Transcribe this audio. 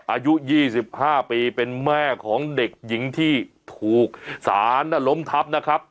อายุ๒๕ปีเป็นแม่ของเด็กหญิงที่ถูกสารล้มทับนะครับ